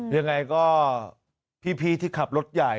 ยังไงก็พี่ที่ขับรถใหญ่